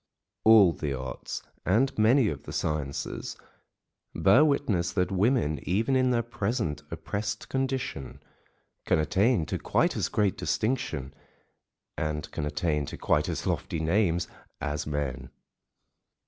All the arts, and many of the sciences, bear witness that women, even in their present oppressed condition, can attain to quite as great distinction, and can attain to quite as lofty names as men.